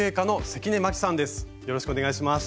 よろしくお願いします。